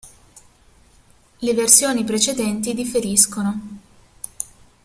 Le versioni precedenti differiscono.